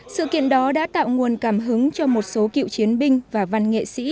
sự kiện đó đã tạo nguồn cảm hứng cho một số cựu chiến binh và văn nghệ sĩ